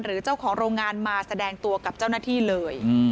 เจ้าของโรงงานมาแสดงตัวกับเจ้าหน้าที่เลย